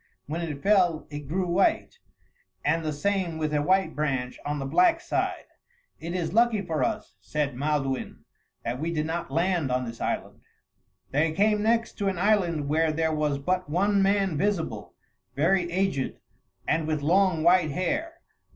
When it fell, it grew white; and the same with a white branch on the black side. "It is lucky for us," said Maelduin, "that we did not land on this island." They came next to an island where there was but one man visible, very aged, and with long, white hair.